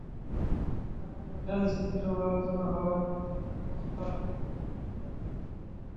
আগামী মাসের আইসিসির সভায় আলোচনা হওয়ার কথা এসব খসড়া এফটিপি নিয়ে।